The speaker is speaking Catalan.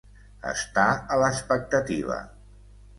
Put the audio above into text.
Estar a l'expectativa.